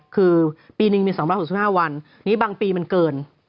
คือปีหนึ่งมี๒๖๕วันนี้บางปีมันเกิน